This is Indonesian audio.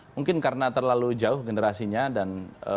mungkin karena terlalu jauh generasinya dan